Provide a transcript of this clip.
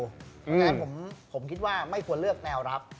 เพราะฉะนั้นผมคิดว่าไม่ควรเลือกแนวรับ